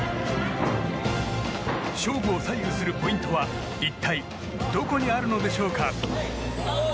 勝負を左右するポイントは一体どこにあるのでしょうか？